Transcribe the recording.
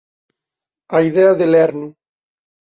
A idea de "lernu!